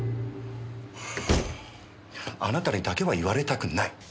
あなたにだけは言われたくない。